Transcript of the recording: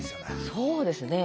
そうですね。